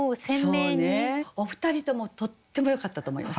お二人ともとってもよかったと思います。